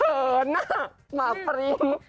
เหินอะหมากปริ้น